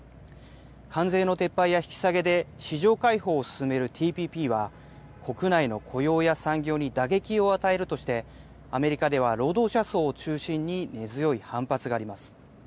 関税の撤廃や引き下げで市場開放を進めるＴＰＰは、国内の雇用や産業に打撃を与えるとして、アメリカでは労働者層を中心に根強い反発があります。